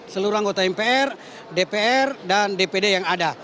seluruh anggota mpr dpr dan dpd yang ada